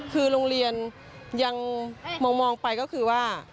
คือโรงเรียนยังมองไปก็คือว่า